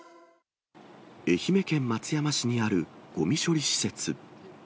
愛媛県松山市にあるごみ処理施設。